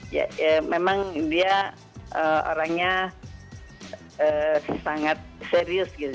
ya memang dia orangnya sangat serius gitu